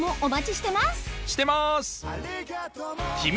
してます！